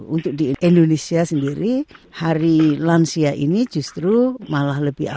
untuk di indonesia sendiri hari lansia ini justru malah lebih aman